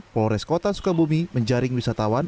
polres kota sukabumi menjaring wisatawan